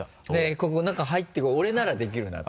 ここ中入っていく「俺ならできるな」と？